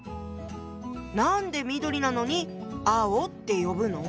何で緑なのに青って呼ぶの？